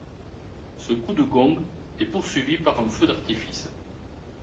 Ce coup de gong est poursuivi par un feu d'artifice.